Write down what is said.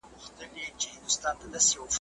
تر ابده چي پاییږي دا بې ساري بې مثال دی `